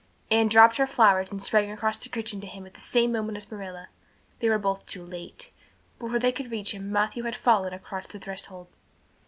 Anne dropped her flowers and sprang across the kitchen to him at the same moment as Marilla. They were both too late; before they could reach him Matthew had fallen across the threshold.